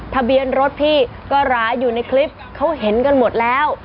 ทะเบียนรถพี่ก็ร้ายอยู่ในคลิปเขาเห็นกันหมดแล้ว